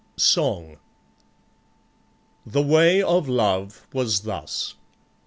Song The way of love was thus.